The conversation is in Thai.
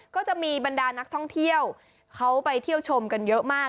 ก็จะมีบรรดานักท่องเที่ยวเขาไปเที่ยวชมกันเยอะมาก